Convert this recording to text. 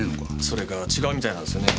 それが違うみたいなんですよね。